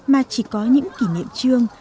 mà chỉ có những kỷ niệm trương